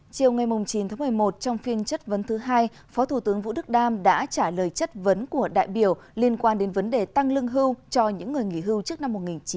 chiều ngày chín tháng một mươi một trong phiên chất vấn thứ hai phó thủ tướng vũ đức đam đã trả lời chất vấn của đại biểu liên quan đến vấn đề tăng lương hưu cho những người nghỉ hưu trước năm một nghìn chín trăm bảy mươi